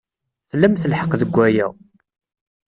Tlamt lḥeqq deg waya.